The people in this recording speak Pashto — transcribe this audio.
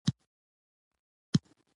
د ښار خلک که زاړه وه که ځوانان وه